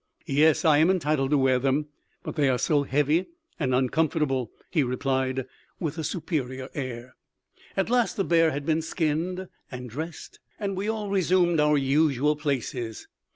"Yes, I am entitled to wear them, but they are so heavy and uncomfortable," he replied, with a superior air. At last the bear had been skinned and dressed and we all resumed our usual places.